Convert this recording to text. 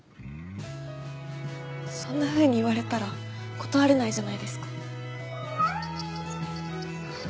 そんなふうに言われたら断れないじゃないですか。